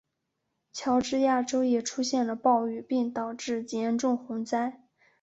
乔治亚州也出现了暴雨并导致严重洪灾。